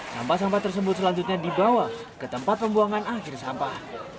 sampah sampah tersebut selanjutnya dibawa ke tempat pembuangan akhir sampah